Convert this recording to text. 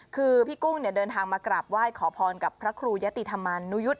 คือพี่กุ้งเดินทางมากราบไหว้ขอพรกับพระครูยะติธรรมานุยุทธ์